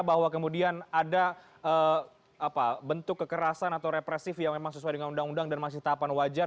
bahwa kemudian ada bentuk kekerasan atau represif yang memang sesuai dengan undang undang dan masih tahapan wajar